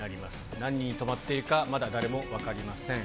何人に止まっているか、まだ誰も分かりません。